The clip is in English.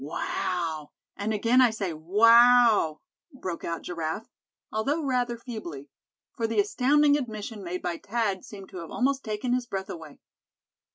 "Wow! and again I say, wow!" broke out Giraffe, although rather feebly; for the astounding admission made by Thad seemed to have almost taken his breath away.